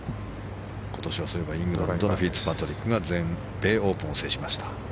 今年はイングランドのフィッツパトリックが全米オープンを制しました。